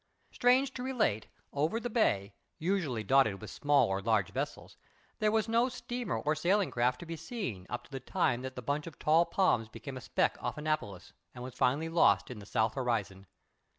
Strange to relate, over the bay, usually dotted with small or large vessels, there was no steamer or sailing craft to be seen up to the time that the bunch of tall palms became a speck off Annapolis and was finally lost in the south horizon.